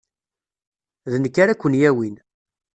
D nekk ara ken-yawin.